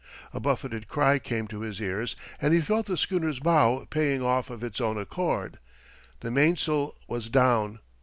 A buffeted cry came to his ears, and he felt the schooner's bow paying off of its own accord. The mainsail was down!